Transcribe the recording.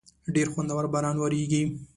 ډېر خوندور باران وریږی